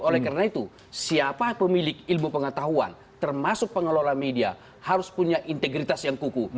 oleh karena itu siapa pemilik ilmu pengetahuan termasuk pengelola media harus punya integritas yang kuku